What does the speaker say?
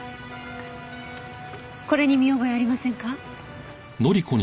これに見覚えありませんか？